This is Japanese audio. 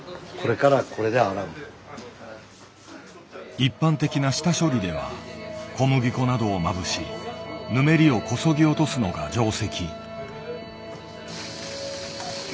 一般的な下処理では小麦粉などをまぶしぬめりをこそぎ落とすのが定石。